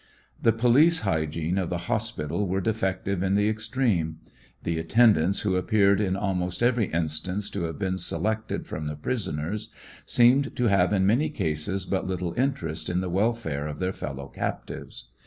The police hygiene of the hospital were defective in the extreme ; 180 . REBEL TESTIMONY. the attendants, who appeared in almost every instance to have been selected from the prisoners, seemed to have in many cases but little interest in the welfare of their fellow captives.